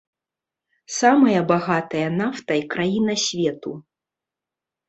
Самая багатая нафтай краіна свету.